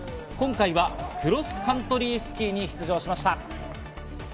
今回はクロスカントリースキーに出場しました。